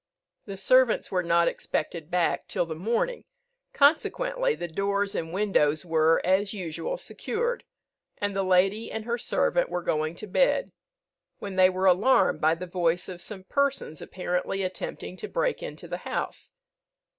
The servants were not expected back till the morning; consequently the doors and windows were, as usual, secured, and the lady and her servant were going to bed, when they were alarmed by the voice of some persons apparently attempting to break into the house.